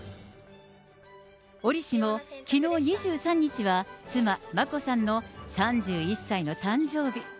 折しも、きのう２３日は妻、眞子さんの３１歳の誕生日。